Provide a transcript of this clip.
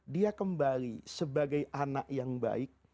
dia kembali sebagai anak yang baik